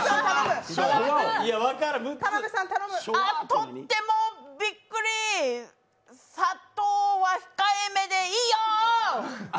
とってもびっくり砂糖は控えめでいいよ！